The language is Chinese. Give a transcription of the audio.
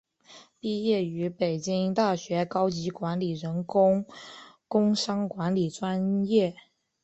毕业于北京大学高级管理人员工商管理专业。